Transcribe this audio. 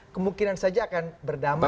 kemungkinan saja akan berdamai